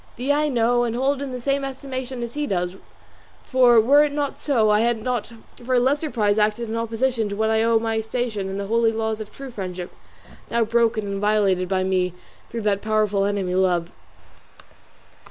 Thee I know and hold in the same estimation as he does, for were it not so I had not for a lesser prize acted in opposition to what I owe to my station and the holy laws of true friendship, now broken and violated by me through that powerful enemy, love."